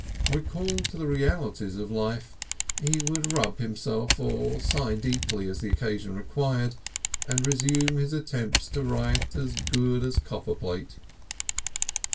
Recalled to the realities of life, he would rub himself or sigh deeply as the occasion required, and resume his attempts to write as good as copperplate.